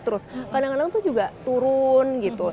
terus kadang kadang tuh juga turun gitu